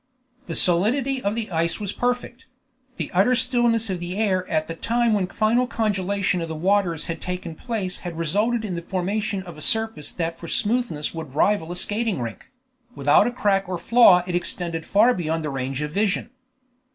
The solidity of the ice was perfect; the utter stillness of the air at the time when the final congelation of the waters had taken place had resulted in the formation of a surface that for smoothness would rival a skating rink; without a crack or flaw it extended far beyond the range of vision.